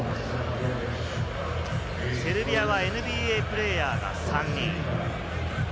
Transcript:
セルビアはＮＢＡプレーヤーが３人。